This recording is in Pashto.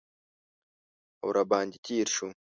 او را باندې تیر شو